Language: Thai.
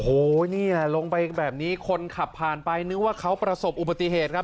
โอ้โหนี่แหละลงไปแบบนี้คนขับผ่านไปนึกว่าเขาประสบอุบัติเหตุครับ